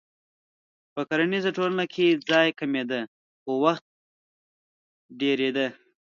په کرنیزه ټولنه کې ځای کمېده خو وخت ډېرېده.